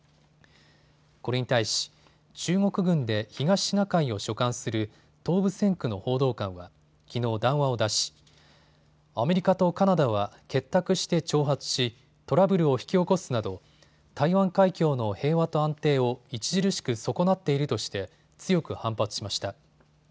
これに対し、中国軍で東シナ海を所管する東部戦区の報道官はきのう、談話を出しアメリカとカナダは結託して挑発しトラブルを引き起こすなど台湾海峡の平和と安定を著しく損なっているとして強く反発しました。